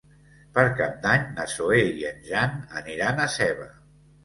Per Cap d'Any na Zoè i en Jan aniran a Seva.